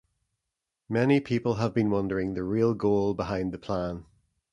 Many people have been wondering the real goal behind the plan.